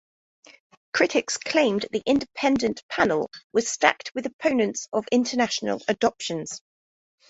Critics claimed the Independent Panel was stacked with opponents of international adoptions.